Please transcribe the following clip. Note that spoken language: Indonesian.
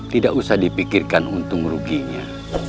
tidak usah dipikirkan untung ruginya